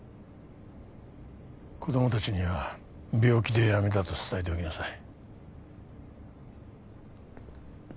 子供達には病気で辞めたと伝えておきなさい